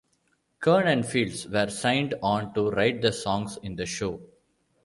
Kern and Fields were signed on to write the songs in the show.